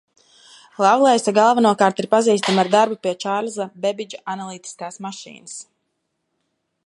Lavleisa galvenokārt ir pazīstama ar darbu pie Čārlza Bebidža analītiskās mašīnas.